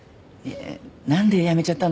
なんで辞めちゃったの？